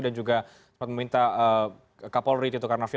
dan juga sempat meminta kapolri tito karnavian